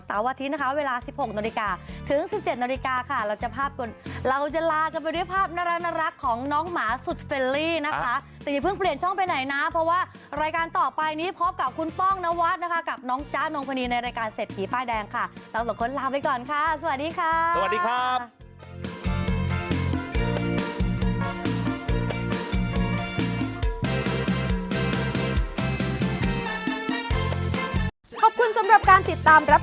สวัสดีครับ